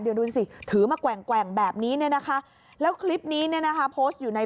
เดี๋ยวดูสิถือมาแกว่งแบบนี้เนี่ยนะคะแล้วคลิปนี้เนี่ยนะคะโพสต์อยู่ใน